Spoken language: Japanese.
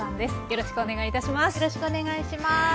よろしくお願いします。